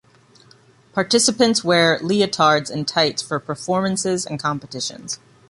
Participants wear leotards and tights for performances and competitions.